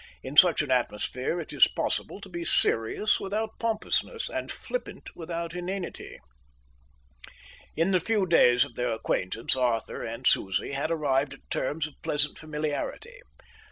In such an atmosphere it is possible to be serious without pompousness and flippant without inanity. In the few days of their acquaintance Arthur and Susie had arrived at terms of pleasant familiarity.